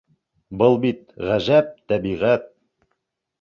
Был бит ғәжәп тәбиғәт!